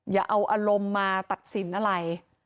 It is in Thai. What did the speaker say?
อย่าเอาอารมณ์มาตัดสินอะไร